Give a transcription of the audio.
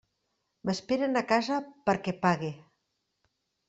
M'esperen a casa perquè pague.